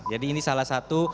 jadi ini salah satu